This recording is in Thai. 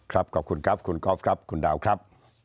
ขอบคุณครับคุณกอล์ฟครับคุณดาวครับ